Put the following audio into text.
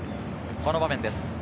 この場面です。